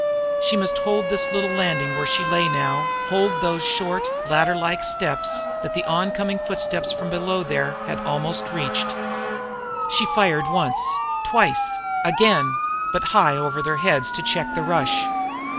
She must hold this little landing where she lay now, hold those short, ladder like steps that the oncoming footsteps from below there had almost reached. She fired once twice again; but high, over their heads, to check the rush.